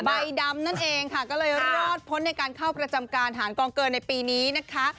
ใบดำนั่นเองค่ะก็เลยรอดพ้นในการเข้าประจำการฐานกองเกินในปีนี้นะคะ